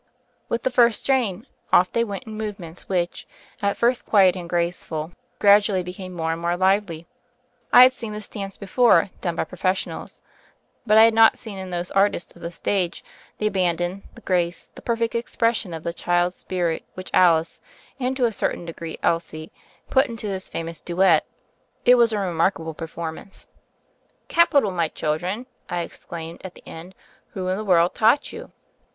With the first strain, off they went in move ments which, at first quiet and graceful, gradu ally became more and more lively. I had seen this dance before, done by professionals. But I had not seen in those artists of the stage the abandon, the grace, the perfect expression of THE FAIRY OF THE SNOWS 47 the child spirit which Alice, and, to a certain degree, Elsie, put into this famous duet. It was a remarkable performance. "Capital, my children!" I exclaimed at the end. Who in the world taught you?"